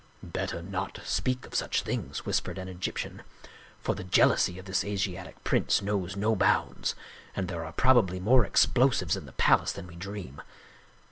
" Better not speak of such things," whispered an Egyp tian, " for the jealousy of this Asiatic prince knows no bounds, and there are probably more explosives in the pal ace than we dream.